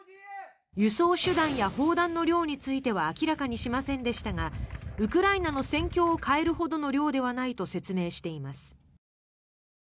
輸送手段や砲弾の量については明らかにしませんでしたがウクライナの戦況を変えるほどの量ではないと説明しています。